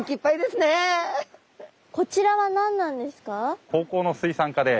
こちらは何なんですか？